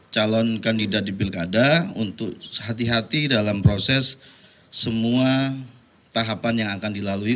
calon kandidat di pilkada untuk hati hati dalam proses semua tahapan yang akan dilalui